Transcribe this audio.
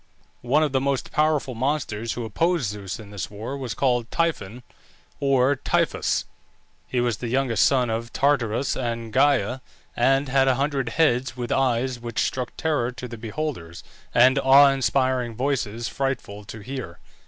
One of the most powerful monsters who opposed Zeus in this war was called Typhon or Typhoeus. He was the youngest son of Tartarus and Gæa, and had a hundred heads, with eyes which struck terror to the beholders, and awe inspiring voices frightful to hear.